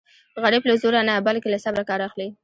غریب له زوره نه بلکې له صبره کار اخلي